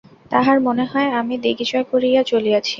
তাঁহার মনে হয়, আমি দিগ্বিজয় করিয়া চলিয়াছি।